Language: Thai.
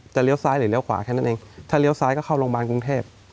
เลี้ยซ้ายหรือเลี้ยขวาแค่นั้นเองถ้าเลี้ยวซ้ายก็เข้าโรงพยาบาลกรุงเทพ